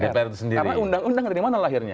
karena undang undang dari mana lahirnya